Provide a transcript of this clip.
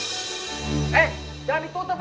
eh jangan ditutup ya